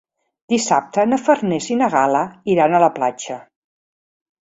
Dissabte na Farners i na Gal·la iran a la platja.